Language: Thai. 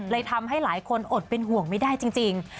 ทำให้หลายคนอดเป็นห่วงไม่ได้จริง